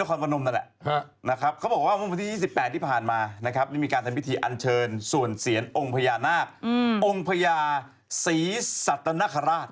นครพนมนั่นแหละนะครับเขาบอกว่าเมื่อวันที่๒๘ที่ผ่านมานะครับได้มีการทำพิธีอันเชิญส่วนเสียรองค์พญานาคองค์พญาศรีสัตนคราช